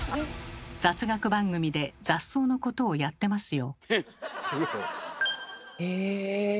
雑学番組で雑草のことをやってますよ。